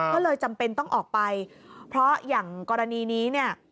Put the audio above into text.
ก็เลยจำเป็นต้องออกไปเพราะอย่างกรณีนี้เนี่ย